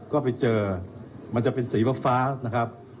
ก็ไปเจอมันจะเป็นสีฟ้านะครับ